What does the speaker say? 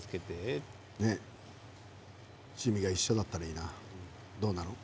趣味が一緒だったらいいなどうだろう。